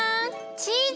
チーズ！